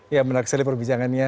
ya menarik sekali perbicaraannya